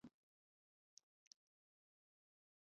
প্রত্যেক সমাজে জীবন বলতে বুঝায় ইচ্ছা তৃষ্ণা বা বাসনাসমূহের সংযম।